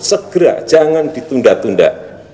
segera jangan ditunda tunda